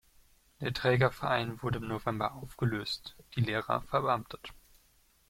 Der Trägerverein wurde im November aufgelöst, die Lehrer verbeamtet.